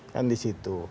kan di situ